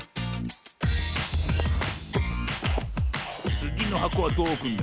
つぎのはこはどうおくんだ？